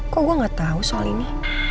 kok gue gak tau soal ini